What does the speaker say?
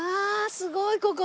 すごいここ！